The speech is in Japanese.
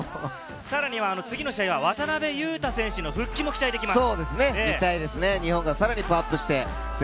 さらに次の試合は渡邊雄太選手の復帰も期待できます。